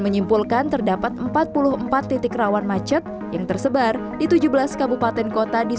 menyimpulkan terdapat empat puluh empat titik rawan macet yang tersebar di tujuh belas kabupaten kota di